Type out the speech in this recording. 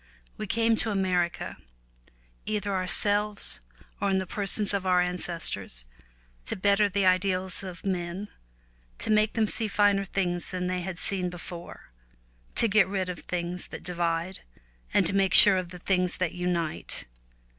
We came to America, either ourselves or in the persons of our ancestors, to better the ideals of men, to make them see finer things than they had seen before, to get rid of things that divide, and to make sure of the things that unite.